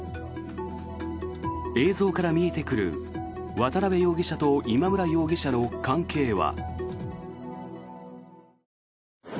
映像から見えてくる渡邉容疑者と今村容疑者の関係は。